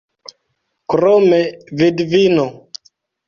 Krome, vidvino.